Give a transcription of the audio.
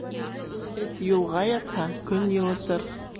Эт юлға ятһа, көн йылытыр.